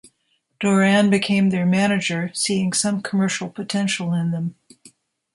Doran became their manager, seeing some commercial potential in them.